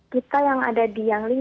kita yang ada di yangling